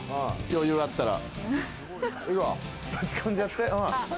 余裕あったら。